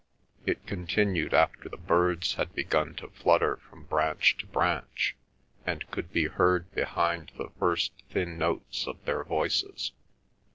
It continued after the birds had begun to flutter from branch to branch, and could be heard behind the first thin notes of their voices.